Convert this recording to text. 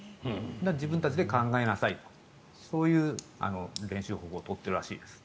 自分たちで考えなさいとそういう練習方法を取っているらしいです。